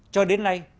cho đến nay